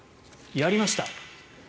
やりました。